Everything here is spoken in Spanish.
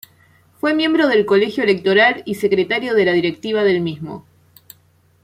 Fue miembro del Colegio Electoral y secretario de la directiva del mismo.